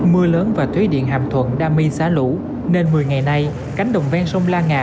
mưa lớn và thuế điện hạm thuận đã mi xá lũ nên một mươi ngày nay cánh đồng ven sông la ngà